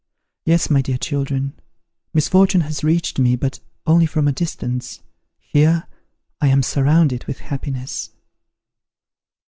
Yes, my dear children, misfortune has reached me, but only from a distance: here, I am surrounded with happiness."